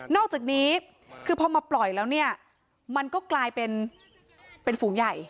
อกจากนี้คือพอมาปล่อยแล้วเนี่ยมันก็กลายเป็นฝูงใหญ่